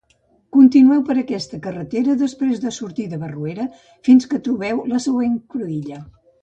Continueu per aquesta carretera després de sortir de Barruera fins que trobeu la següent cruïlla.